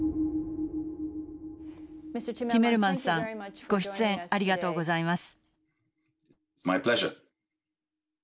ティメルマンスさんご出演ありがとうございます。